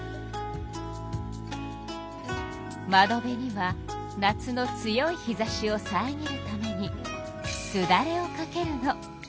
窓辺には夏の強い日ざしをさえぎるためにすだれをかけるの。